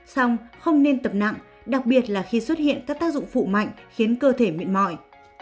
xong không nên tập nặng đặc biệt là khi xuất hiện các tác dụng phụ mạnh khiến cơ thể mệt mỏi